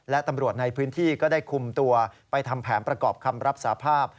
และตำรวจในพื้นที่ก็ได้คุมตัวไปทำแผนประกอบคำรับสาภาพ